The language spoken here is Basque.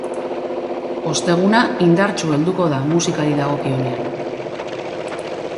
Osteguna indartsu helduko da musikari dagokionean.